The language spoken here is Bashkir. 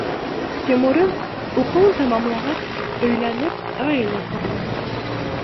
Тимурым, уҡыуын тамамлағас, өйләнеп, ғаилә ҡорҙо.